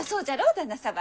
旦那様。